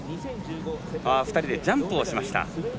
２人でジャンプをしました。